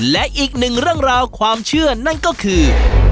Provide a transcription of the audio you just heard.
และอีกหนึ่งเรื่องราวความเชื่อนั่นก็คือ